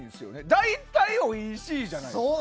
大体おいしいじゃないですか。